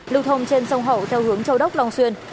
lưu thông trên sông hậu theo hướng châu đốc long xuyên